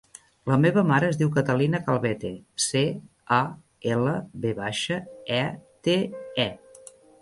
La meva mare es diu Catalina Calvete: ce, a, ela, ve baixa, e, te, e.